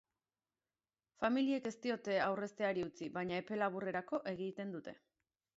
Familiek ez diote aurrezteari utzi baina epe laburrerako egiten dute.